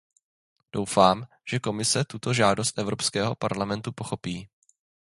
Doufám, že Komise tuto žádost Evropského parlamentu pochopí.